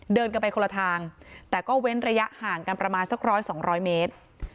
เดินกันไปคนละทางแต่ก็เว้นระยะห่างกันประมาณสักร้อยสองร้อยเมตร